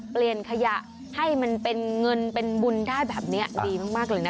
เปลี่ยนขยะให้มันเป็นเงินเป็นบุญได้แบบนี้ดีมากเลยนะ